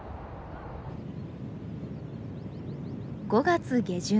５月下旬。